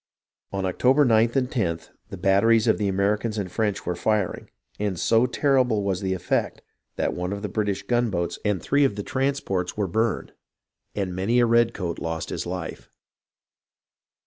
On October 9th and loth, the batteries of the Ameri cans and French were firing, and so terrible was the effect that one of the British gunboats and three of the trans THE SURRENDER OF CORNWALLIS 379 ports were burned, and many a redcoat lost his life.